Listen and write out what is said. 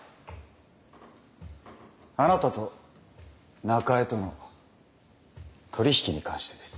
あなたと中江との取り引きに関してです。